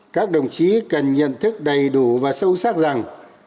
các đồng chí cần nhận thức đầy đủ và sâu sắc rằng